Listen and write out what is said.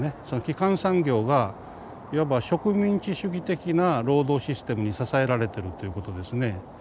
その基幹産業がいわば植民地主義的な労働システムに支えられてるっていうことですね。